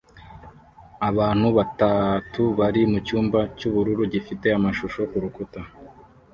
Abantu batatu bari mucyumba cyubururu gifite amashusho kurukuta